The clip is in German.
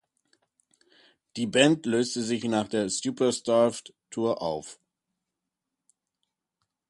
Die Band löste sich nach der "Superstarved"-Tour auf.